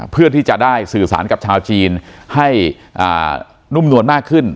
เพื่อที่จะได้สื่อสารกับชาวจีนให้นุ่มนวลมากขึ้น